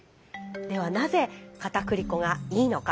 ではなぜかたくり粉がいいのか。